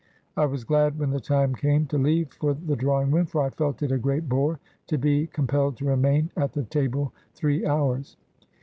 I was glad when the time came to leave for the drawing room, for I felt it a great bore to be com pelled to remain at the table three hoars.